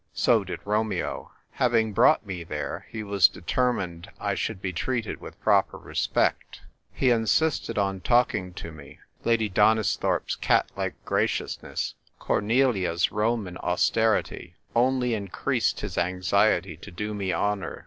So did Romeo. Having brought me there, he was determined I should be treated with proper respect. He insisted on talking to me; Lady Donisthorpe's cat like graciousness, Cornelia's Roman austerity, only increased his anxiety to do me honour.